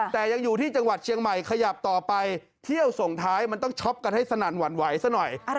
แต่ยังอยู่ที่จังหวัดเชียงใหม่ขยับต่อไปเที่ยวส่งท้ายมันต้องช็อปกันให้สนั่นหวั่นไหวซะหน่อย